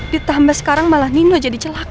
ditambah sekarang malah nino jadi celak